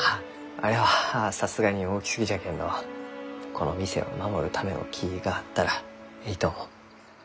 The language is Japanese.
あれはさすがに大きすぎじゃけんどこの店を守るための木があったらえいと思う。